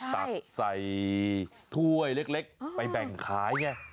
ตักใส่ถ้วยเล็กไปแบ่งขายไง